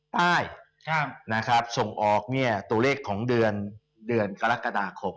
ใต้นะครับส่งออกเนี่ยตัวเลขของเดือนเดือนกรกฎาคม